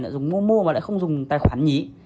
lại dùng mua mua mà lại không dùng tài khoản nhí